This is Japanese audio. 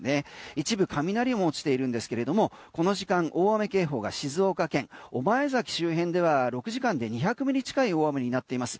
一部雷落ちているんですけれどもこの時間大雨警報が静岡県御前崎周辺では６時間２００ミリ近い大雨になっています。